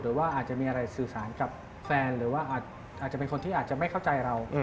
หรือว่าอาจจะมีอะไรสื่อสารกับแฟนหรือว่าอาจจะเป็นคนที่อาจจะไม่เข้าใจเรา